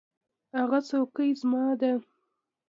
هغه څوکۍ زما ده.